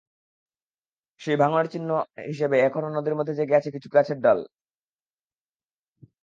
সেই ভাঙনের চিহ্ন হিসেবে এখনো নদীর মধ্যে জেগে আছে কিছু গাছের ডাল।